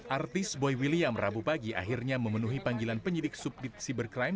artis boy william rabu pagi akhirnya memenuhi panggilan penyidik subdit cybercrime